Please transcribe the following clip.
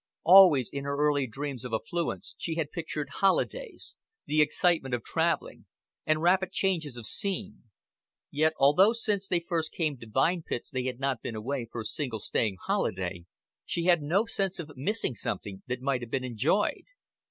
Always in her early dreams of affluence she had pictured holidays, the excitement of traveling, and rapid changes of scene; yet, although since they first came to Vine Pits they had not been away for a single staying holiday, she had no sense of missing something that might have been enjoyed.